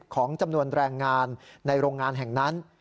ของจำนวนแรงงานในโรงงานแห่งนั้น